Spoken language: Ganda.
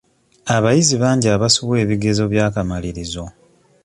Abayizi bangi abaasubwa ebigezo by'akamalirizo.